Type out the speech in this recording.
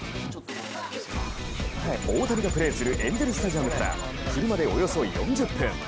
大谷がプレーするエンゼル・スタジアムから車でおよそ４０分。